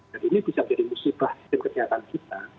jadi ini bisa jadi musibah sistem kesehatan kita